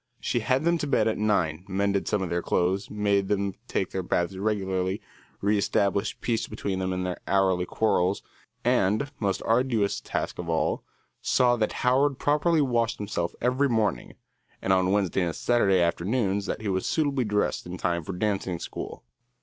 She had them to bed at nine, mended some of their clothes, made them take their baths regularly, reëstablished peace between them in their hourly quarrels, and, most arduous task of all, saw that Howard properly washed himself every morning, and on Wednesday and Saturday afternoons that he was suitably dressed in time for dancing school.